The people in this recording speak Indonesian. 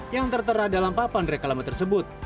yang tertera dalam papan reklama tersebut